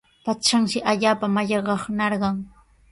Patranshi allaapa mallaqnarqan.